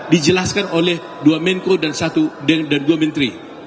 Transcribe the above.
dijelaskan oleh dua menko dan dua menteri